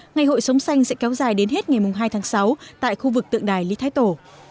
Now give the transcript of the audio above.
ngày hội sống xanh sẽ kéo dài đến hết ngày hai tháng sáu tại khu vực tượng đài lý thái tổ